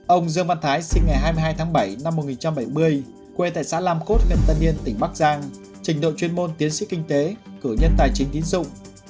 ông dương văn thái sinh ngày hai mươi hai tháng bảy năm một nghìn chín trăm bảy mươi quê tại xã lam cốt huyện tân yên tỉnh bắc giang trình độ chuyên môn tiến sĩ kinh tế cử nhân tài chính tín dụng